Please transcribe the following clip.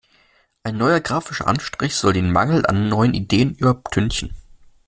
Ein neuer grafischer Anstrich soll den Mangel an neuen Ideen übertünchen.